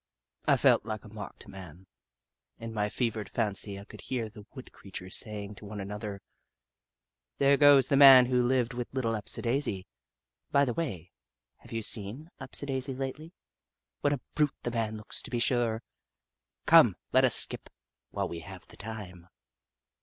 I felt like a marked man. In my fevered fancy I could hear the wood creatures saying to one another :" There goes the man who lived with Little Upsidaisi, By the way, have you seen Upsidaisi lately ? What a brute the Jagg, the Skootaway Goat 23 man looks, to be sure ! Come, let us skip, while we have the time."